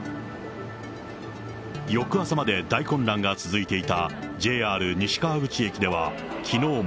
翌朝まで大混乱が続いていたＪＲ西川口駅ではきのうも。